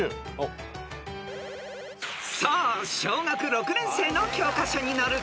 ［さあ小学６年生の教科書に載る］